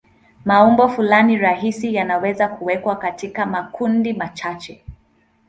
Maumbo fulani rahisi yanaweza kuwekwa katika makundi machache.